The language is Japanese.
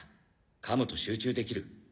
噛むと集中できる。